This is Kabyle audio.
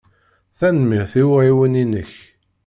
Tanemmirt i uɛiwen-inek.